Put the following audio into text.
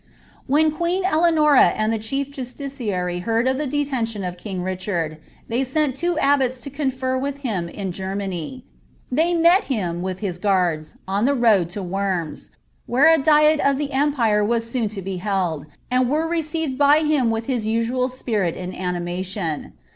When II Eleanora and the chief justiciary heard of the deteation of king Richard, ihey sent two abbots to confer with him in Germany They met hua, wiih his guards, on the road to Worms, where a dielof the empire was soon to bo held, and were received by hiiu with hi* usuul spiril and nnimniion.